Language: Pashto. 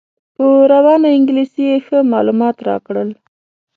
په روانه انګلیسي یې ښه معلومات راکړل.